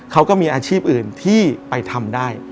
เขาก็มีอาชีพอื่นที่ไปทำได้